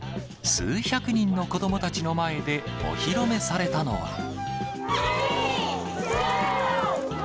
数百人の子どもたちの前でお披露目されたのは。